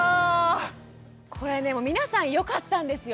これでも皆さんよかったんですよ。